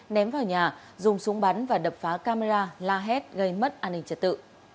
ném vào nhà dùng súng bắn và đập phá camera la hét gây mất an ninh trật tự